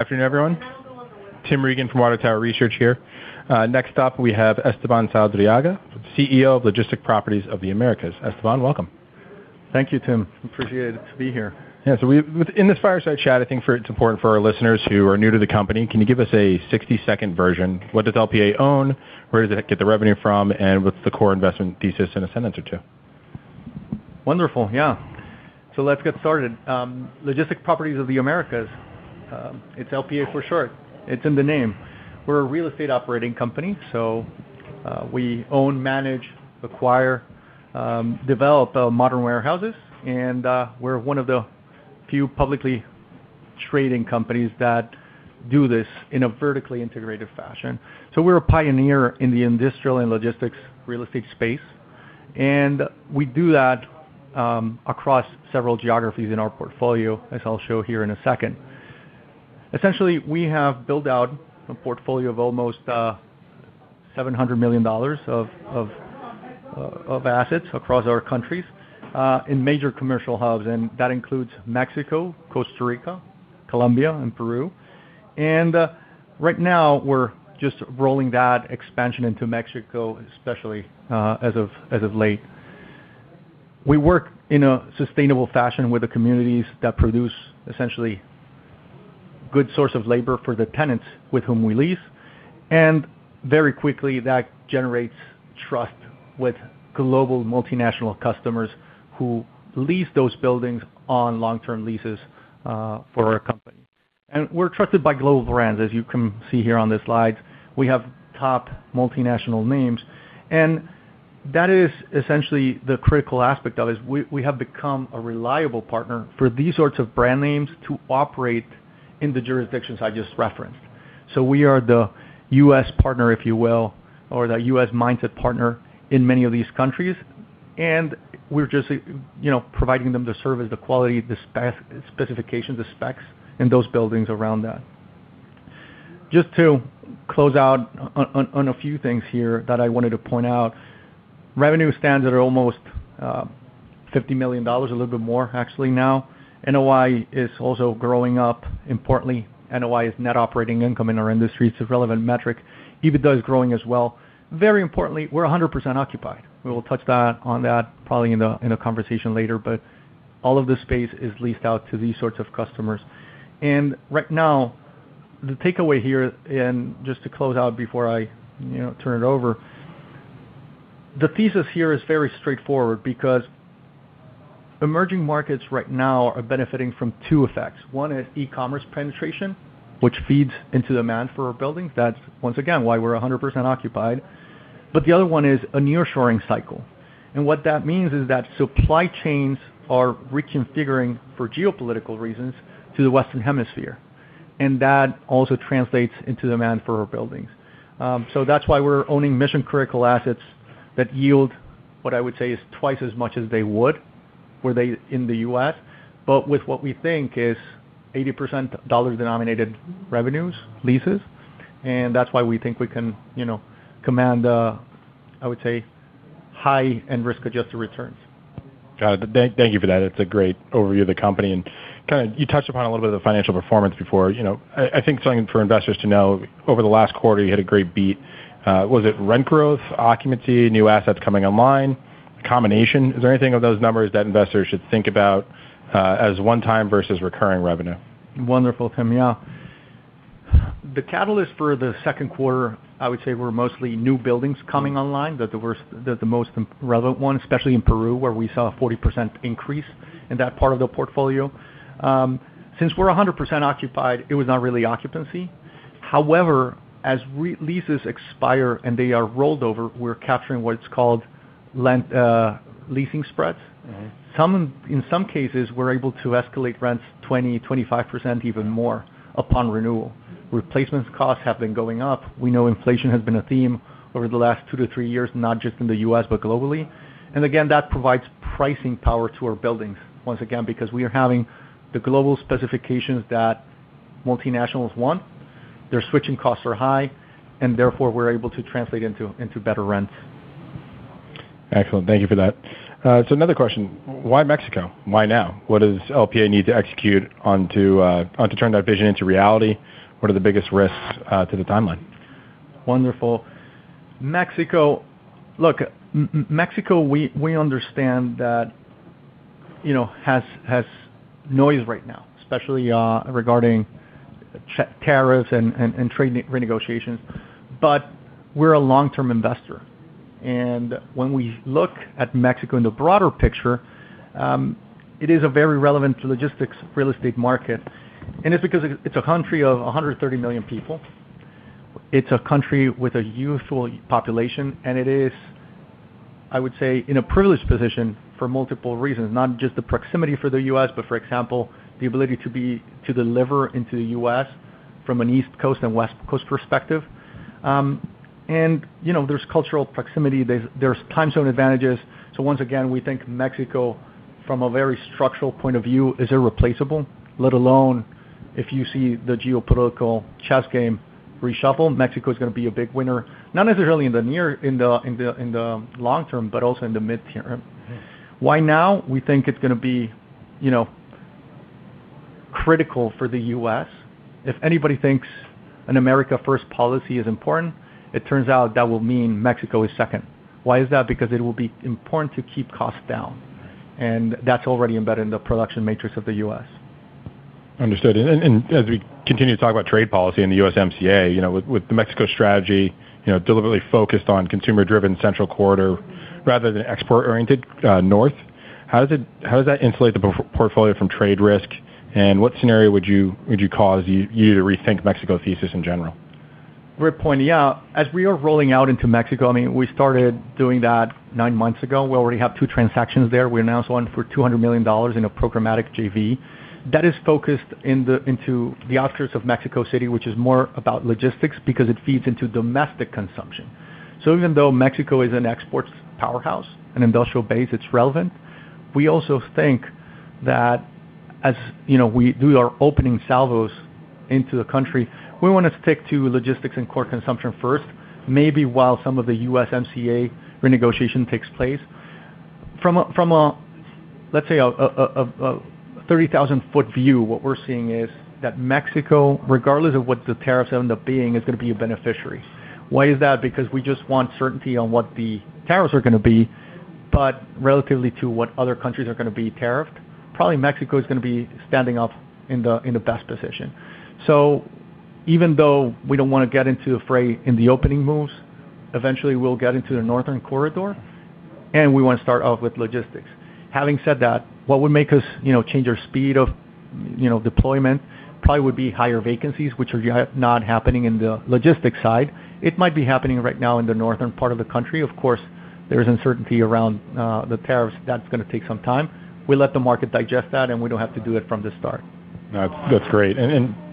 Afternoon, everyone. Tim Regan from Water Tower Research here. Next up, we have Esteban Saldarriaga, CEO of Logistic Properties of the Americas. Esteban, welcome. Thank you, Tim. Appreciate it. To be here. In this fireside chat, I think it's important for our listeners who are new to the company, can you give us a 60-second version? What does LPA own? Where does it get the revenue from? What's the core investment thesis in a sentence or two? Wonderful. Let's get started. Logistic Properties of the Americas, it's LPA for short. It's in the name. We're a real estate operating company. We own, manage, acquire, develop modern warehouses. We're one of the few publicly trading companies that do this in a vertically integrated fashion. We're a pioneer in the industrial and logistics real estate space. We do that across several geographies in our portfolio, as I'll show here in a second. Essentially, we have built out a portfolio of almost $700 million of assets across our countries, in major commercial hubs, and that includes Mexico, Costa Rica, Colombia, and Peru. Right now we're just rolling that expansion into Mexico, especially as of late. We work in a sustainable fashion with the communities that produce essentially good source of labor for the tenants with whom we lease. Very quickly that generates trust with global multinational customers who lease those buildings on long-term leases for our company. We're trusted by global brands, as you can see here on the slides. We have top multinational names. That is essentially the critical aspect of this. We have become a reliable partner for these sorts of brand names to operate in the jurisdictions I just referenced. We are the U.S. partner, if you will, or the U.S.-mindset partner in many of these countries. We're just providing them the service, the quality, the specifications, the specs in those buildings around that. Just to close out on a few things here that I wanted to point out. Revenue stands at almost $50 million, a little bit more actually now. NOI is also growing up. Importantly, NOI is net operating income in our industry. It's a relevant metric. EBITDA is growing as well. Very importantly, we're 100% occupied. We will touch on that probably in a conversation later. All of the space is leased out to these sorts of customers. Right now, the takeaway here, and just to close out before I turn it over, the thesis here is very straightforward because emerging markets right now are benefiting from two effects. One is e-commerce penetration, which feeds into demand for our buildings. That's, once again, why we're 100% occupied. The other one is a nearshoring cycle. What that means is that supply chains are reconfiguring for geopolitical reasons to the Western Hemisphere. That also translates into demand for our buildings. That's why we're owning mission-critical assets that yield, what I would say, is twice as much as they would were they in the U.S., but with what we think is 80% dollar-denominated revenues, leases. That's why we think we can command, I would say, high and risk-adjusted returns. Got it. Thank you for that. It's a great overview of the company. You touched upon a little bit of the financial performance before. I think something for investors to know, over the last quarter, you had a great beat. Was it rent growth, occupancy, new assets coming online, combination? Is there anything of those numbers that investors should think about as one-time versus recurring revenue? Wonderful, Tim. The catalyst for the second quarter, I would say, were mostly new buildings coming online. They're the most relevant ones, especially in Peru, where we saw a 40% increase in that part of the portfolio. Since we're 100% occupied, it was not really occupancy. However, as leases expire and they are rolled over, we're capturing what's called leasing spreads. In some cases, we're able to escalate rents 20%, 25%, even more upon renewal. Replacement costs have been going up. We know inflation has been a theme over the last two to three years, not just in the U.S., but globally. Again, that provides pricing power to our buildings once again, because we are having the global specifications that multinationals want. Their switching costs are high, therefore, we're able to translate into better rents. Excellent. Thank you for that. Another question. Why Mexico? Why now? What does LPA need to execute on to turn that vision into reality? What are the biggest risks to the timeline? Wonderful. Mexico, look, Mexico, we understand that has noise right now, especially regarding tariffs and trade renegotiations. We're a long-term investor. When we look at Mexico in the broader picture, it is a very relevant logistics real estate market. It's because it's a country of 130 million people. It's a country with a youthful population, and it is, I would say, in a privileged position for multiple reasons, not just the proximity for the U.S., but, for example, the ability to deliver into the U.S. from an East Coast and West Coast perspective. There's cultural proximity. There's time zone advantages. Once again, we think Mexico, from a very structural point of view, is irreplaceable, let alone if you see the geopolitical chess game reshuffle. Mexico is going to be a big winner, not necessarily in the long term, but also in the midterm. Why now? We think it's going to be critical for the U.S. If anybody thinks an America first policy is important, it turns out that will mean Mexico is second. Why is that? It will be important to keep costs down, and that's already embedded in the production matrix of the U.S. Understood. As we continue to talk about trade policy in the USMCA, with the Mexico strategy deliberately focused on consumer-driven central corridor rather than export-oriented north, how does that insulate the portfolio from trade risk? What scenario would cause you to rethink Mexico thesis in general? Great point. Yeah. As we are rolling out into Mexico, we started doing that nine months ago. We already have two transactions there. We announced one for $200 million in a programmatic JV. That is focused into the outskirts of Mexico City, which is more about logistics because it feeds into domestic consumption. Even though Mexico is an exports powerhouse, an industrial base, it's relevant, we also think that as we do our opening salvos into the country, we want to stick to logistics and core consumption first, maybe while some of the USMCA renegotiation takes place. From, let's say, a 30,000-foot view, what we're seeing is that Mexico, regardless of what the tariffs end up being, is going to be a beneficiary. Why is that? We just want certainty on what the tariffs are going to be, but relatively to what other countries are going to be tariffed. Probably Mexico is going to be standing up in the best position. Even though we don't want to get into the fray in the opening moves, eventually we'll get into the northern corridor, and we want to start off with logistics. Having said that, what would make us change our speed of deployment probably would be higher vacancies, which are not happening in the logistics side. It might be happening right now in the northern part of the country. Of course, there's uncertainty around the tariffs. That's going to take some time. We'll let the market digest that, and we don't have to do it from the start. No, that's great.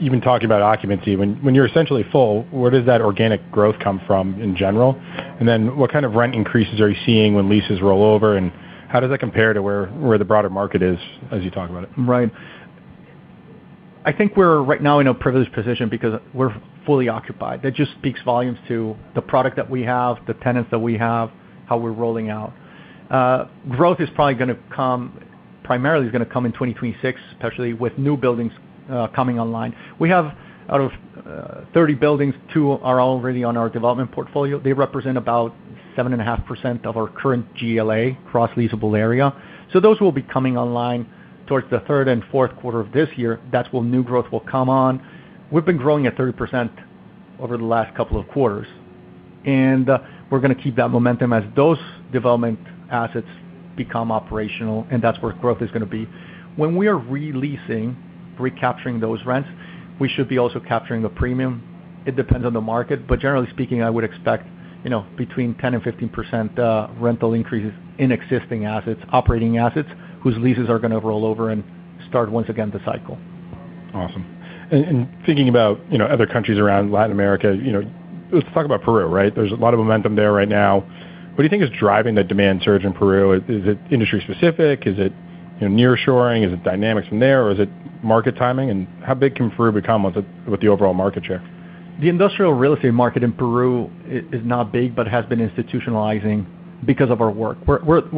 Even talking about occupancy, when you're essentially full, where does that organic growth come from in general? What kind of rent increases are you seeing when leases roll over, and how does that compare to where the broader market is as you talk about it? Right. I think we're right now in a privileged position because we're fully occupied. That just speaks volumes to the product that we have, the tenants that we have, how we're rolling out. Growth is probably primarily is going to come in 2026, especially with new buildings coming online. We have out of 30 buildings, two are already on our development portfolio. They represent about 7.5% of our current GLA, Gross Leasable Area. Those will be coming online towards the third and fourth quarter of this year. That's when new growth will come on. We've been growing at 30% over the last couple of quarters, and we're going to keep that momentum as those development assets become operational, and that's where growth is going to be. When we are re-leasing, recapturing those rents, we should be also capturing a premium. It depends on the market. Generally speaking, I would expect between 10% and 15% rental increases in existing assets, operating assets, whose leases are going to roll over and start once again the cycle. Awesome. Thinking about other countries around Latin America, let's talk about Peru, right? There's a lot of momentum there right now. What do you think is driving the demand surge in Peru? Is it industry specific? Is it nearshoring? Is it dynamics from there, or is it market timing? How big can Peru become with the overall market share? The industrial real estate market in Peru is not big but has been institutionalizing because of our work. We're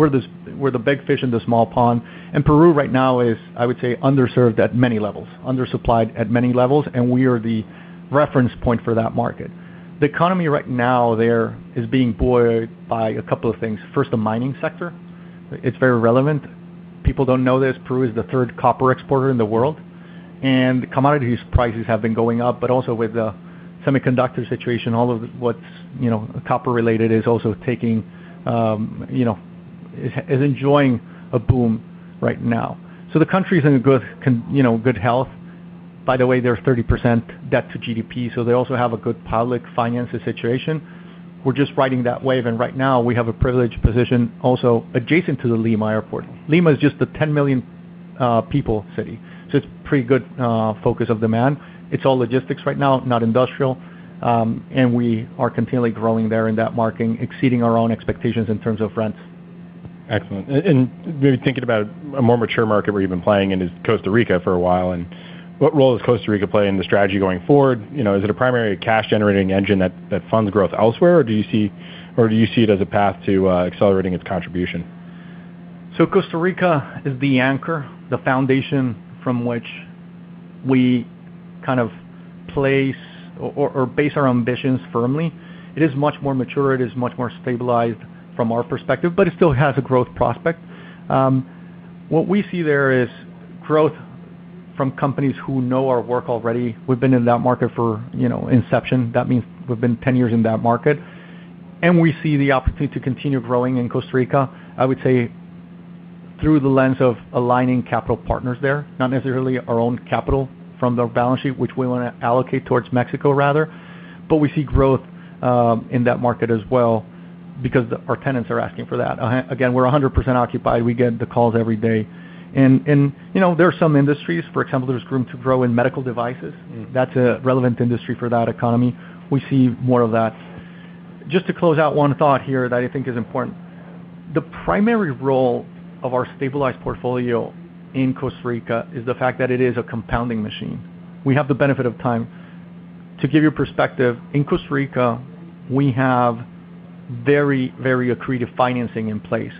the big fish in the small pond, and Peru right now is, I would say, underserved at many levels, undersupplied at many levels, and we are the reference point for that market. The economy right now there is being buoyed by a couple of things. First, the mining sector. It's very relevant. People don't know this. Peru is the third copper exporter in the world, and commodity prices have been going up, but also with the semiconductor situation, all of what's copper related is enjoying a boom right now. The country is in good health. By the way, there's 30% debt to GDP, They also have a good public finances situation. We're just riding that wave. Right now, we have a privileged position also adjacent to the Lima Airport. Lima is just a 10 million people city, so it's pretty good focus of demand. It's all logistics right now, not industrial. We are continually growing there in that market, exceeding our own expectations in terms of rents. Excellent. Maybe thinking about a more mature market where you've been playing in is Costa Rica for a while, and what role does Costa Rica play in the strategy going forward? Is it a primary cash generating engine that funds growth elsewhere, or do you see it as a path to accelerating its contribution? Costa Rica is the anchor, the foundation from which we kind of place or base our ambitions firmly. It is much more mature, it is much more stabilized from our perspective, but it still has a growth prospect. What we see there is growth from companies who know our work already. We've been in that market for inception. That means we've been 10 years in that market, and we see the opportunity to continue growing in Costa Rica, I would say through the lens of aligning capital partners there. Not necessarily our own capital from the balance sheet, which we want to allocate towards Mexico rather. We see growth in that market as well because our tenants are asking for that. Again, we're 100% occupied. We get the calls every day. There are some industries, for example, there's room to grow in medical devices. That's a relevant industry for that economy. We see more of that. Just to close out one thought here that I think is important. The primary role of our stabilized portfolio in Costa Rica is the fact that it is a compounding machine. We have the benefit of time. To give you perspective, in Costa Rica, we have very accretive financing in place.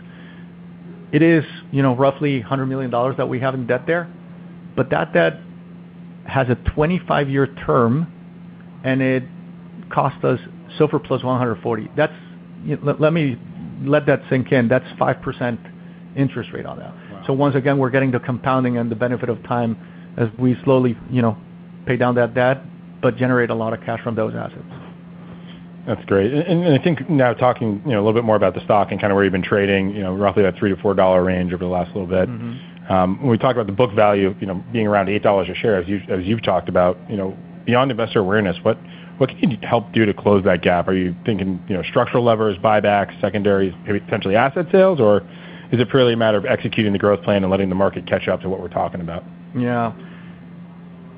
It is roughly $100 million that we have in debt there, but that debt has a 25-year term, and it costs us SOFR plus 140. Let that sink in. That's 5% interest rate on that. Wow. Once again, we're getting the compounding and the benefit of time as we slowly pay down that debt, but generate a lot of cash from those assets. That's great. I think now talking a little bit more about the stock and kind of where you've been trading, roughly that $3-$4 range over the last little bit. When we talk about the book value being around $8 a share, as you've talked about. Beyond investor awareness, what can you help do to close that gap? Are you thinking structural levers, buybacks, secondaries, maybe potentially asset sales? Is it purely a matter of executing the growth plan and letting the market catch up to what we're talking about?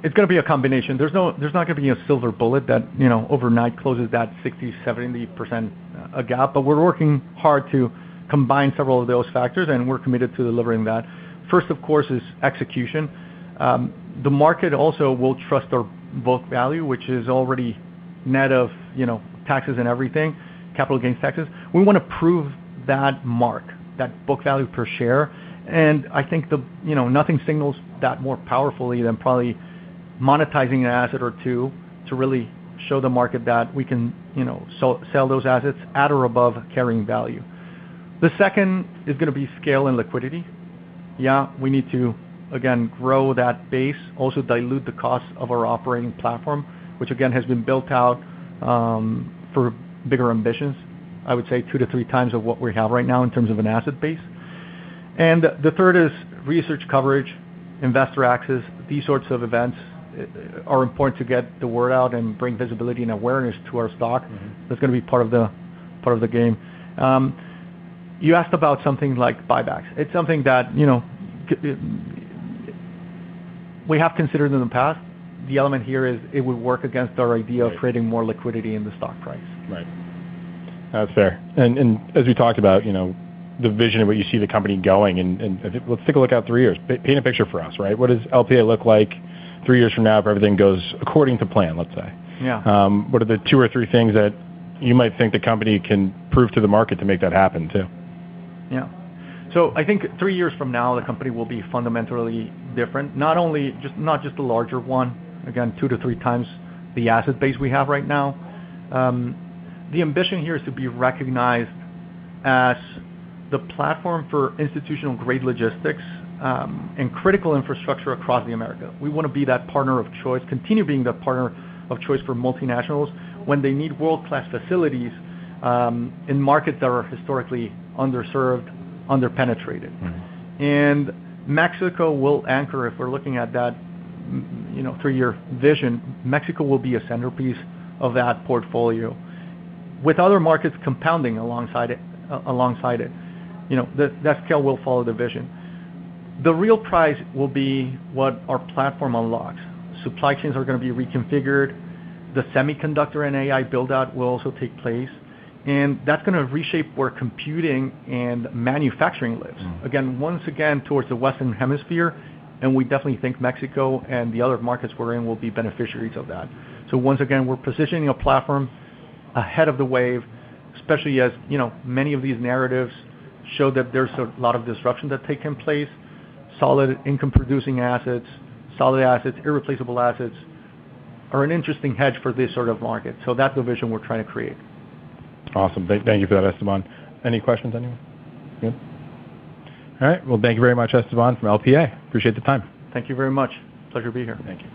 Yeah. It's going to be a combination. There's not going to be a silver bullet that overnight closes that 60%, 70% gap. We're working hard to combine several of those factors, and we're committed to delivering that. First, of course, is execution. The market also will trust our book value, which is already net of taxes and everything, capital gains taxes. We want to prove that mark, that book value per share. I think nothing signals that more powerfully than probably monetizing an asset or two to really show the market that we can sell those assets at or above carrying value. The second is going to be scale and liquidity. Yeah, we need to, again, grow that base, also dilute the cost of our operating platform, which again, has been built out for bigger ambitions. I would say 2x-3x of what we have right now in terms of an asset base. The third is research coverage, investor access. These sorts of events are important to get the word out and bring visibility and awareness to our stock. That's going to be part of the game. You asked about something like buybacks. It's something that we have considered in the past. The element here is it would work against our idea of creating more liquidity in the stock price. Right. That's fair. As we talked about the vision of where you see the company going, let's take a look out three years. Paint a picture for us. What does LPA look like three years from now if everything goes according to plan, let's say? What are the two or three things that you might think the company can prove to the market to make that happen, too? Yeah. I think three years from now, the company will be fundamentally different. Not just a larger one, again, 2x-3x the asset base we have right now. The ambition here is to be recognized as the platform for institutional-grade logistics and critical infrastructure across the Americas. We want to be that partner of choice, continue being that partner of choice for multinationals when they need world-class facilities in markets that are historically underserved, underpenetrated. Mexico will anchor, if we're looking at that three-year vision, Mexico will be a centerpiece of that portfolio, with other markets compounding alongside it. That scale will follow the vision. The real prize will be what our platform unlocks. Supply chains are going to be reconfigured. The semiconductor and AI build-out will also take place, that's going to reshape where computing and manufacturing lives. Again, once again, towards the Western Hemisphere, we definitely think Mexico and the other markets we're in will be beneficiaries of that. Once again, we're positioning a platform ahead of the wave, especially as many of these narratives show that there's a lot of disruption that's taking place. Solid income-producing assets, solid assets, irreplaceable assets are an interesting hedge for this sort of market. That's the vision we're trying to create. Awesome. Thank you for that, Esteban. Any questions, anyone? No? All right. Well, thank you very much, Esteban from LPA. Appreciate the time. Thank you very much. Pleasure to be here. Thank you.